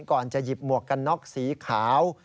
ก่อนจะหยิบหมวกกันน็อกสีขาว